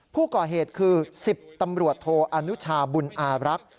ผู้ก่อเหตุคือ๑๐ตำรวจโทอนุชาบุญอารักษ์